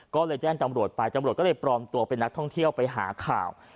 ก็เลยแจ้งตำรวจไปตำรวจก็เลยปลอมตัวเป็นนักท่องเที่ยวไปหาข่าว